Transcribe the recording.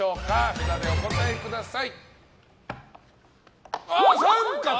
札でお答えください。